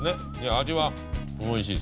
味はおいしいです。